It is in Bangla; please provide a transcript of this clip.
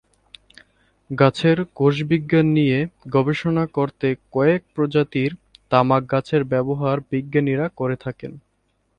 গাছের কোষ বিজ্ঞান নিয়ে গবেষণা করতে কয়েক প্রজাতির তামাক গাছের ব্যবহার বিজ্ঞানীরা করে থাকেন।